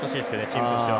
チームとしては。